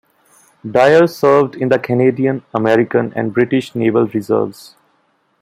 Dyer served in the Canadian, American and British naval reserves.